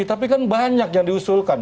tapi kan banyak yang diusulkan